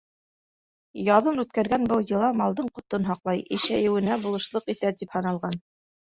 Яҙын үткәргән был йола малдың ҡотон һаҡлай, ишәйеүенә булышлыҡ итә тип һаналған.